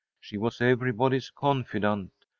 She was everybody's confidante.